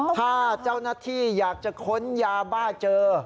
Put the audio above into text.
ถ้าเจ้าหน้าที่อยากจะค้นยาบ้าเจอ